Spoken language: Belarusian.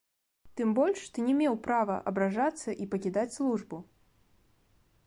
Тым больш, ты не меў права абражацца і пакідаць службу.